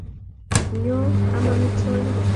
Nyoo am amitwogik.